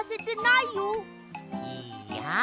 いいや。